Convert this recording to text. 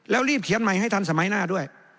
แล้วรีบเขียนใหม่ให้ทันสมัยหน้าด้วย